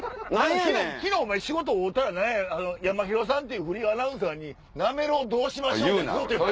昨日お前仕事会うたらヤマヒロさんっていうフリーアナウンサーになめろうどうしましょ？って。